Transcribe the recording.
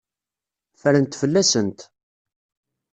Ffrent fell-asent.